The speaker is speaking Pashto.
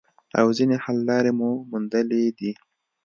او ځینې حل لارې مو موندلي دي